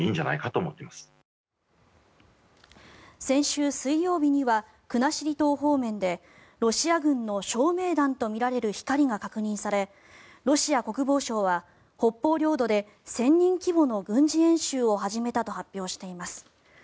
先週水曜日には国後島方面でロシア軍の照明弾とみられる光が確認されロシア国防省は北方領土で１０００人規模の軍事演習を始めたと発表しています。